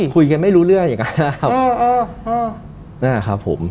คุยกันไม่รู้เรื่อยอะครับ